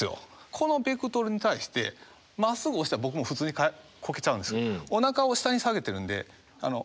このベクトルに対してまっすぐ押したら僕も普通にこけちゃうんですよ。